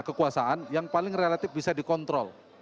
kekuasaan yang paling relatif bisa dikontrol